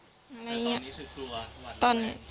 ตอนนี้คือกลัวว่าตราแวง